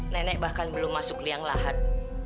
nenek bahkan belum masuk liang lahat